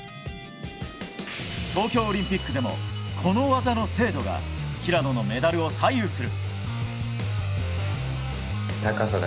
東京オリンピックでもこの技の精度が平野のメダルを左右する。